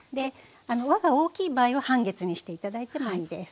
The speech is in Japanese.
輪が大きい場合は半月にして頂いてもいいです。